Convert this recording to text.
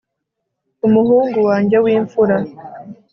umuhungu wanjye w'imfura